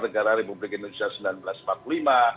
negara republik indonesia seribu sembilan ratus empat puluh lima